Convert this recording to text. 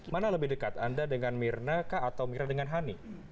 mana lebih dekat anda dengan mirna kah atau mirna dengan hani